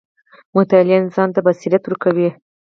• مطالعه انسان ته بصیرت ورکوي.